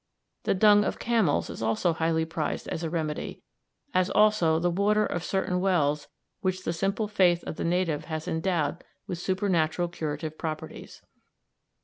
The dung of camels is also highly prized as a remedy, as also the water of certain wells which the simple faith of the natives has endowed with supernatural curative properties.